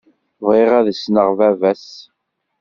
Bɣiɣ ad ssneɣ baba-s.